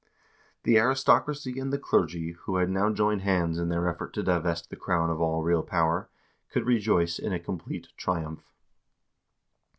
The aristocracy and the clergy, who had now joined hands in their effort to divest the crown of all real power, could rejoice in a complete triumph.